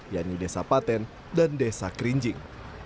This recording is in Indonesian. yaitu desa paten dan desa krinjing